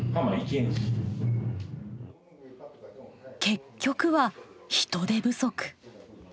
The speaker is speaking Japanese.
結局は人手不足。